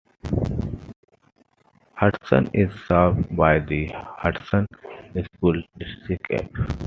Hudson is served by the Hudson School DistrictF.